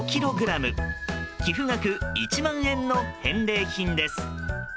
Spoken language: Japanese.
寄付額１万円の返礼品です。